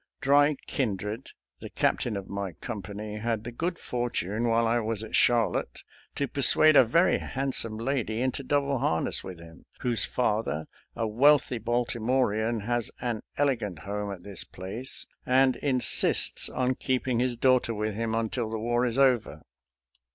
Dry Kindred, the Captain of my company, had the good fortune while I was at Charlotte to persuade a very handsome lady into double har ness with him, whose father, a wealthy Balti morean, has an elegant home at this place and insists on keeping his daughter with him until the war is over.